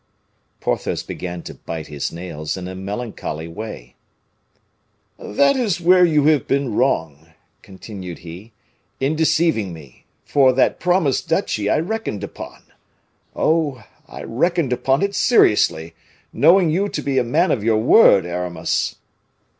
Porthos began to bite his nails in a melancholy way. "That is where you have been wrong," continued he, "in deceiving me; for that promised duchy I reckoned upon. Oh! I reckoned upon it seriously, knowing you to be a man of your word, Aramis."